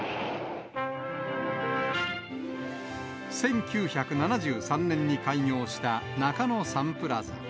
１９７３年に開業した中野サンプラザ。